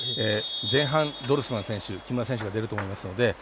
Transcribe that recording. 前半、ドルスマン選手木村選手が出ると思いますので５０